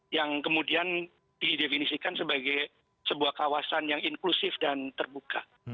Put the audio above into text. yang kemudian didefinisikan sebagai sebuah kawasan yang inklusif dan terbuka